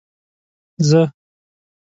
زه.